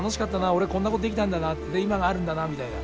俺こんなことできたんだなで今があるんだなみたいな。